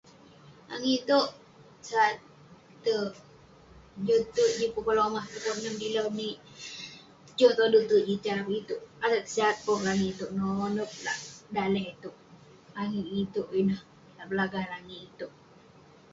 Langit sat, terk. Joh terk jin pukon lomah, nem dilau nik. Joh toder terk jin itei avik itouk. Ateg sat pong langit itouk. Nonep lah daleh itouk, langit itouk ineh. Lak Belagah langit itouk.